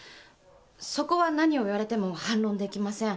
そこは何を言われても反論できません。